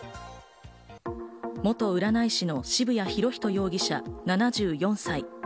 元占い師の渋谷博仁容疑者、７４歳。